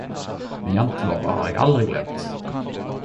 Men Jantelova har eg aldri gløymt!